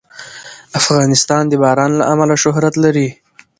افغانستان د باران له امله شهرت لري.